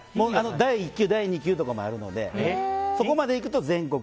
第１級、第２級とかもあるのでそこまでいくと全国。